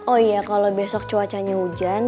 oh iya kalau besok cuacanya hujan